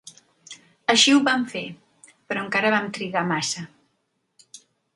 Així ho vam fer, però encara vam trigar massa.